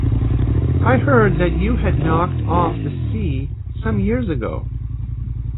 I heard that you had knocked off the sea some years ago.